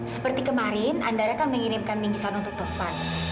seperti kemarin andara kan mengirimkan bingkisan untuk tempat